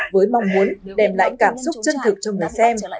với mong muốn đem lại cảm xúc chân thực cho người xem